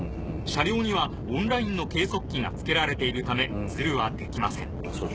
車両にはオンラインの計測器が付けられているためズルはできません。